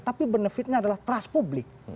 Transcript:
tapi benefitnya adalah trust publik